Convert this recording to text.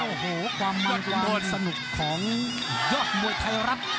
โอ้โหความมันโดนสนุกของยอดมวยไทยรัฐ